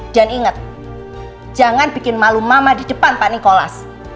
dan ingat jangan bikin malu mama di depan pak nikolas